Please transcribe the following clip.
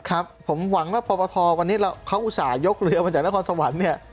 ครับผมหวังว่าปปทวันนี้เขาอุตส่าหยกเรือมาจากนครสวรรค์เนี่ย